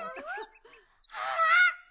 あっ！